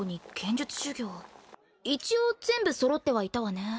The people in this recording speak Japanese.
一応全部揃ってはいたわね。